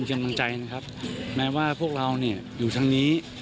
เตรียมกำลังใจนะครับแม้ว่าพวกเราอยู่ทางนี้